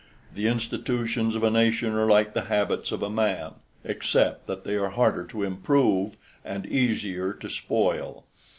The institutions of a nation are like the habits of a man, except that they are harder to improve and easier to spoil.